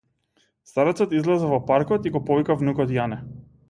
Старецот излезе во паркот и го повика внукот Јане.